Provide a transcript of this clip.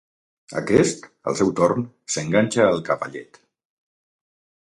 Aquest, al seu torn, s'enganxa al cavallet.